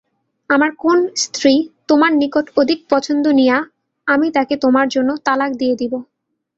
আমার কোন স্ত্রী তোমার নিকট অধিক পছন্দনীয়া আমি তাকে তোমার জন্য তালাক দিয়ে দিব।